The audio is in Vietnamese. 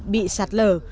bị sạt lở